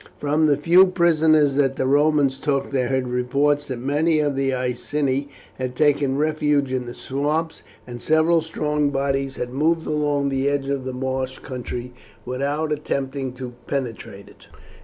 From the few prisoners that the Romans took they heard reports that many of the Iceni had taken refuge in the swamps, and several strong bodies had moved along the edge of the marsh country without attempting to penetrate it.